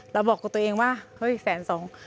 บอกกับตัวเองว่าเฮ้ยแสนสอง